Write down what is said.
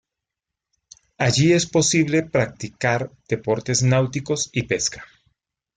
Allí es posible practicar deportes náuticos y pesca.